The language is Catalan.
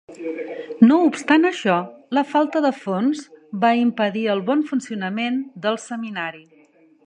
No obstant això, la falta de fons va impedir el bon funcionament del seminari.